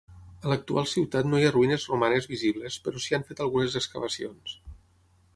A l'actual ciutat no hi ha ruïnes romanes visibles, però s'hi han fet algunes excavacions.